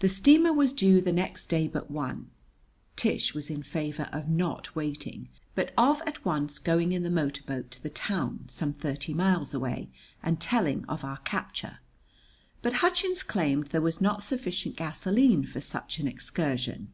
The steamer was due the next day but one. Tish was in favor of not waiting, but of at once going in the motor boat to the town, some thirty miles away, and telling of our capture; but Hutchins claimed there was not sufficient gasoline for such an excursion.